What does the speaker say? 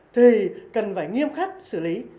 thì cần phải nghiêm khắc xử lý